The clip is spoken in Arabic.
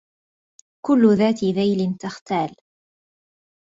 كل ذات ذيل تختال